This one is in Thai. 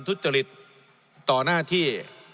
ทุจริตต่อหน้าที่